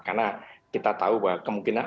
karena kita tahu bahwa kemungkinan